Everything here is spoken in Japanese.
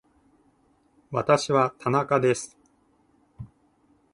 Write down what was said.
私は田中です